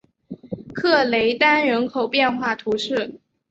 克雷丹人口变化图示